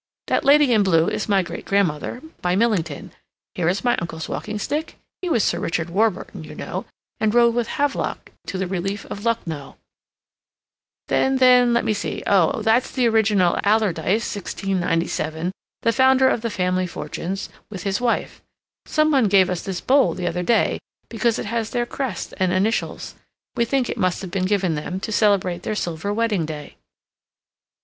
"That lady in blue is my great grandmother, by Millington. Here is my uncle's walking stick—he was Sir Richard Warburton, you know, and rode with Havelock to the Relief of Lucknow. And then, let me see—oh, that's the original Alardyce, 1697, the founder of the family fortunes, with his wife. Some one gave us this bowl the other day because it has their crest and initials. We think it must have been given them to celebrate their silver wedding day."